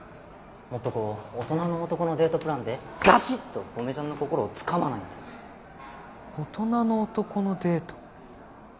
もっとこう大人の男のデートプランでガシッと小梅ちゃんの心をつかまないと大人の男のデート